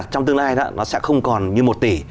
trong tương lai đó nó sẽ không còn như một tỷ